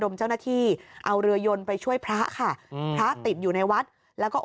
พระติดอยู่ในวัดและก็